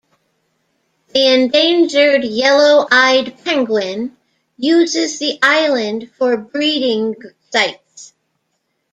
The endangered yellow-eyed penguin uses the island for breeding sites.